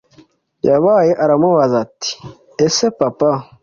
yabaye aramubaza ati ese papa